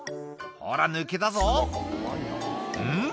「ほら抜けたぞうん？